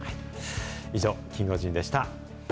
以上、キンゴジンでした。